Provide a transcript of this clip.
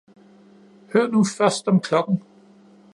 Hør nu først om klokken!